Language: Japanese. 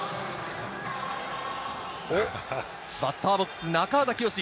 バッターボックス、中畑清。